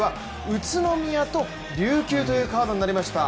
宇都宮と琉球というカードになりました。